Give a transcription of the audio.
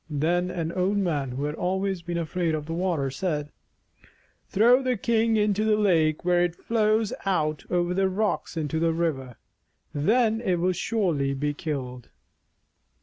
Then an old man who had always been afraid of the water said: "Throw the thing into the lake where it flows out over the rocks into the river. Then it will surely be killed."